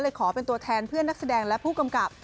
ขอเป็นตัวแทนเพื่อนนักแสดงและผู้กำกับ